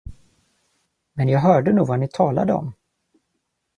Men jag hörde nog vad ni talade om.